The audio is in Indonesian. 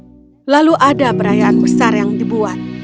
lalu ada perayaan besar yang dibuat